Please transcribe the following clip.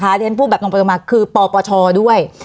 เพราะฉะนั้นพูดแบบตรงประจำมาคือปปชด้วย